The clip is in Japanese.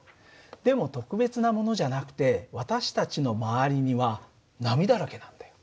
でも特別なものじゃなくて私たちの周りには波だらけなんだよ。